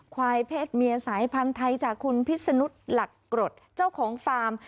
ควายเพศเมียสายพันธุ์ไทยจากคุณพิษนุษย์หลักกรดเจ้าของฟาร์ม